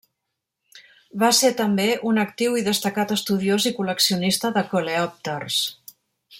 Va ser també un actiu i destacat estudiós i col·leccionista de coleòpters.